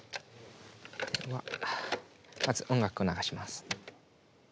まず音楽を流します。